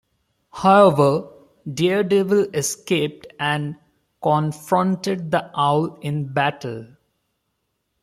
However, Daredevil escaped and confronted the Owl in battle.